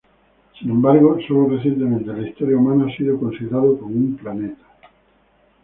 Sin embargo, sólo recientemente en la historia humana ha sido considerado como un planeta.